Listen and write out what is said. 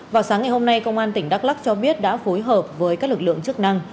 vào sáng ngày hôm nay công an tỉnh đắk lắc cho biết đã phối hợp với các lực lượng chức năng